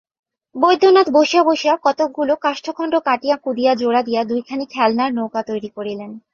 বৈদ্যনাথ বসিয়া বসিয়া কতকগুলো কাষ্ঠখণ্ড কাটিয়া কুঁদিয়া জোড়া দিয়া দুইখানি খেলনার নৌকা তৈরি করিলেন।